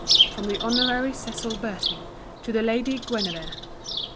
From the Hon. Cecil Bertie to the Lady Guinevere.